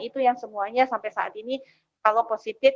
itu yang semuanya sampai saat ini kalau positif